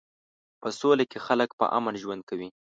په سوله کې خلک په امن ژوند کوي.